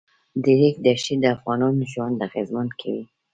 د ریګ دښتې د افغانانو ژوند اغېزمن کوي.